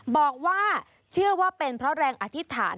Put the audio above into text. บอกว่าเชื่อว่าเป็นเพราะแรงอธิษฐาน